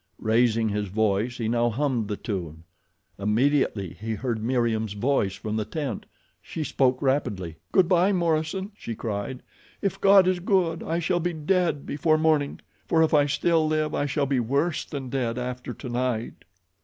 Raising his voice he now hummed the tune. Immediately he heard Meriem's voice from the tent. She spoke rapidly. "Good bye, Morison," she cried. "If God is good I shall be dead before morning, for if I still live I shall be worse than dead after tonight."